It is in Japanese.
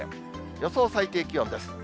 予想最低気温です。